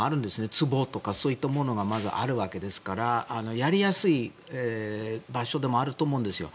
つぼとか、そういったものがあるわけですからやりやすい場所でもあると思うんですよ。